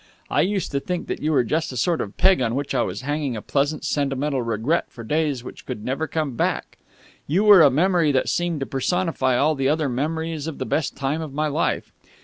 I used to think that you were just a sort of peg on which I was hanging a pleasant sentimental regret for days which could never come back. You were a memory that seemed to personify all the other memories of the best time of my life.